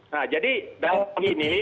nah jadi dalam hal ini